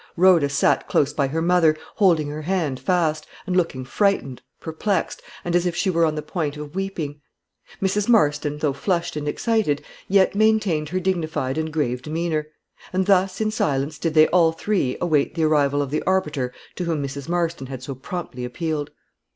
Rhoda sate close by her mother, holding her hand fast, and looking frightened, perplexed, and as if she were on the point of weeping. Mrs. Marston, though flushed and excited, yet maintained her dignified and grave demeanor. And thus, in silence, did they all three await the arrival of the arbiter to whom Mrs. Marston had so promptly appealed.